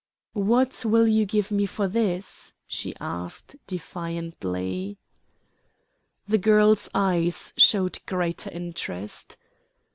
"What will you give me for this?" she asked defiantly. The girl's eyes showed greater interest.